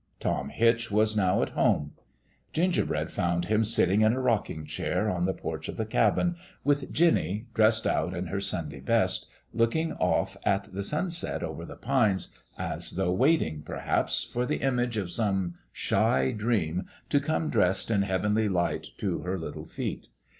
Tom Hitch was now at home. Ginger bread found him sitting in a rocking chair on the In LOVE WHH A FLOWER 75 porch of the cabin, with Jinny, dressed out in her Sunday best, looking off at the sunset over the pines, as though waiting, perhaps, for the image of some shy dream to come dressed in heavenly light to her little feet.